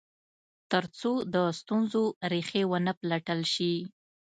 تر څو د ستونزو ریښې و نه پلټل شي.